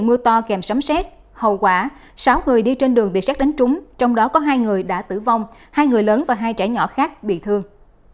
sáu người đi trên đường bị sát đánh trúng trong đó có hai người đã tử vong hai người lớn và hai trẻ nhỏ khác bị thương